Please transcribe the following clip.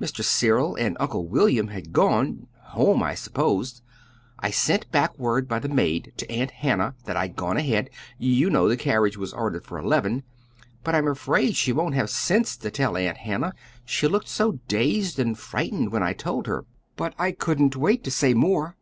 Mr. Cyril and Uncle William had gone home, I supposed. I sent back word by the maid to Aunt Hannah that I'd gone ahead; you know the carriage was ordered for eleven; but I'm afraid she won't have sense to tell Aunt Hannah, she looked so dazed and frightened when I told her. But I COULDN'T wait to say more.